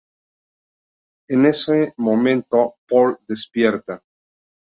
En eso momento Paul despierta.